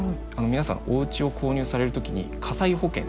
皆さんおうちを購入される時に火災保険。